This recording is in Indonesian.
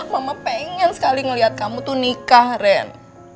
mama pengen sekali ngelihat kamu tuh nikah ren